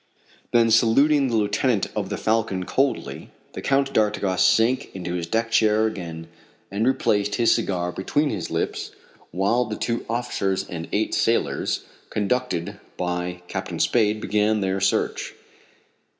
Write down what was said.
Then saluting the lieutenant of the Falcon coldly, the Count d'Artigas sank into his deck chair again and replaced his cigar between his lips, while the two officers and eight sailors, conducted by Captain Spade, began their search.